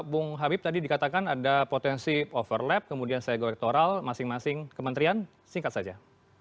bung habib tadi dikatakan ada potensi overlap kemudian sektor elektoral masing masing kementerian singkat saja